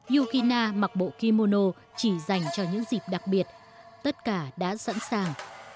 yukina mặc bộ kimono chỉ dành cho những dịp đặc biệt tất cả đã sẵn sàng